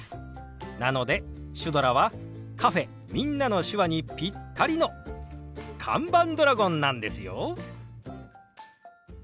なのでシュドラはカフェ「みんなの手話」にピッタリの看板ドラゴンなんですよ。